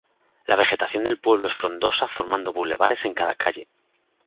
La vegetación del pueblo es frondosa formando bulevares en cada calle.